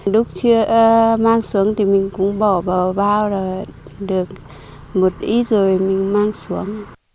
lúc chưa mang xuống thì mình cũng bỏ bao là được một ít rồi mình mang xuống